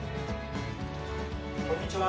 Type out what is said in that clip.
こんにちは。